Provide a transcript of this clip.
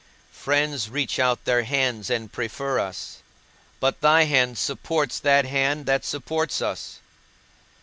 Friends reach out their hands and prefer us; but thy hand supports that hand that supports us.